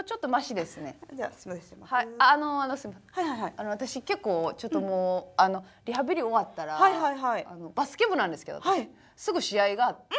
あの私結構ちょっともうリハビリ終わったらバスケ部なんですけどすぐ試合があって。